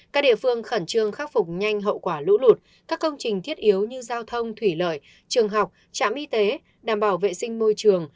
các địa phương khẩn trương khắc phục nhanh hậu quả lũ lụt các công trình thiết yếu như giao thông thủy lợi trường học trạm y tế đảm bảo vệ sinh môi trường